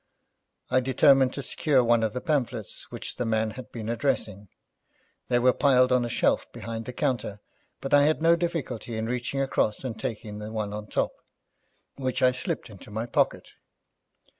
I determined to secure one of the pamphlets which the man had been addressing. They were piled on a shelf behind the counter, but I had no difficulty in reaching across and taking the one on top, which I slipped into my pocket.